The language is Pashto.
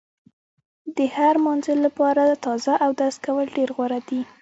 د هر مانځه لپاره تازه اودس کول ډېر غوره دي.